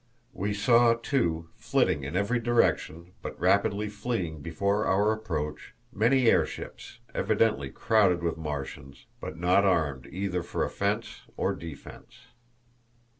We saw, too, flitting in every direction, but rapidly fleeing before our approach, many airships, evidently crowded with Martians, but not armed either for offence or defence.